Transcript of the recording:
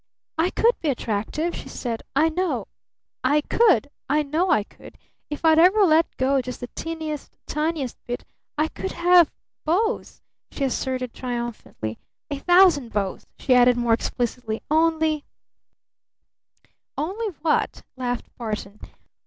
"I could be attractive!" she said. "I could! I know I could! If I'd ever let go just the teeniest tiniest bit I could have beaux!" she asserted triumphantly. "A thousand beaux!" she added more explicitly. "Only " "Only what?" laughed Barton.